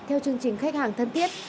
theo chương trình khách hàng thân thiết